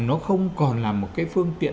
nó không còn là một cái phương tiện